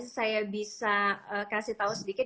saya bisa kasih tahu sedikit